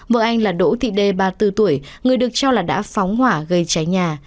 vợ anh là đỗ thị đê ba mươi bốn tuổi người được cho là đã phóng hỏa gây cháy nhà